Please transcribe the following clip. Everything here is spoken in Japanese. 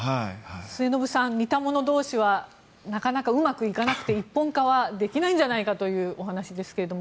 末延さん、似た者同士はなかなかうまくいかなくて一本化はできないんじゃないかというお話ですが。